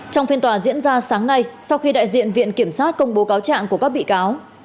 trong phiên tòa diễn ra sáng nay sau khi đại diện viện kiểm sát công bố cáo trạng của các bị cáo